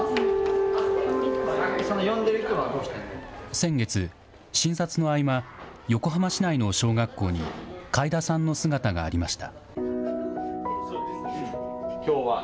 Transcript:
先月、診察の合間、横浜市内の小学校に開田さんの姿がありました。